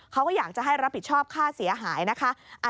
เขาก็อยากจะให้รับผิดชอบค่าเสียหายนะคะ